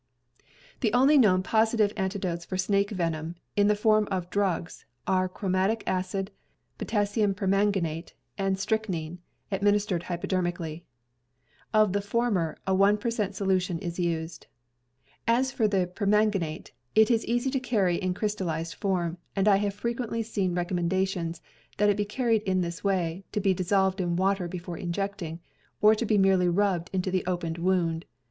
The only known positive antidotes for snake venom, in the form of drugs, are chromic acid, potassium per manganate, and strychnin, administered hypodermically. Of the former, a one per cent, solution is used. As for ACCIDENTS 317 the permanganate, it is easy to carry in crystallized form, and I have frequently seen recommendations that it be carried in that way, to be dissolved in water be fore injecting, or to be merely rubbed into the opened wound.